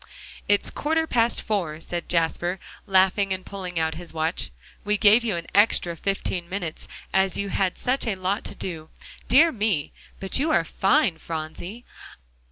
"It's quarter past four," said Jasper, laughing and pulling out his watch; "we gave you an extra fifteen minutes, as you had such a lot to do. Dear me! but you are fine, Phronsie.